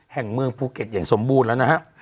แห่งเมืองภูเก็ตอย่างสมบูรณ์แล้วนะฮะ